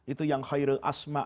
itu yang khairil asma